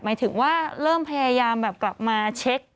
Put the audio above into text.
หมายถึงว่าเริ่มพยายามแบบกลับมาเช็ค